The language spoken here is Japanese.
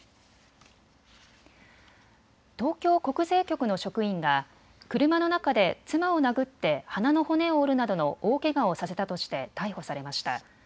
東京国税局の職員が車の中で妻を殴って鼻の骨を折るなどの大けがをさせたとして逮捕されました。